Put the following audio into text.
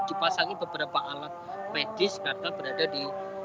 dipasangi beberapa alat medis yang lebih penting dari itu adalah kondisi psikologi dari salah satu